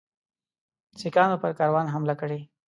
سیکهانو پر کاروان حمله کړې.